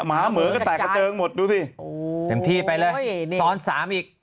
หมาเหมือก็แตกกระเจิงหมดดูสิเต็มที่ไปเลยซ้อนสามอีก